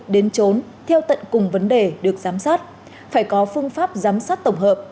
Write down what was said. đến trốn theo tận cùng vấn đề được giám sát phải có phương pháp giám sát tổng hợp